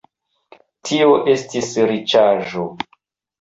Tio estis riĉaĵo.